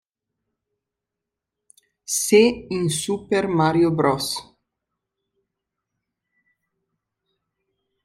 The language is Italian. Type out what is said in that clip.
Se in "Super Mario Bros.